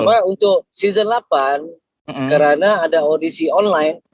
cuma untuk season delapan karena ada audisi online